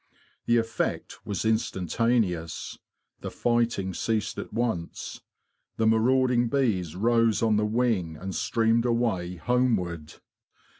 The effect was instantaneous. The fighting ceased at once. The marauding bees rose on the wing and streamed away homeward.